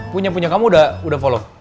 punya punya kamu udah follow